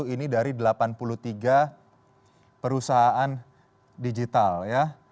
ini dari delapan puluh tiga perusahaan digital ya